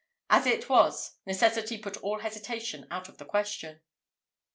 As it was, necessity put all hesitation out of the question.